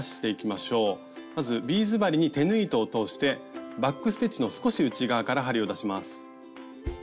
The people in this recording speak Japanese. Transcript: まずビーズ針に手縫い糸を通してバック・ステッチの少し内側から針を出します。